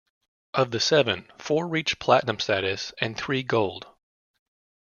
Of the seven, four reached platinum status, and three gold.